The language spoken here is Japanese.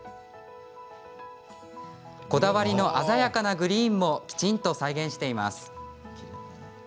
こだわりの鮮やかなグリーンもきちんと再現しています。